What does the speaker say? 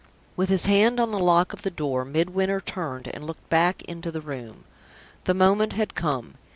With his hand on the lock of the door, Midwinter turned, and looked back into the room. The moment had come.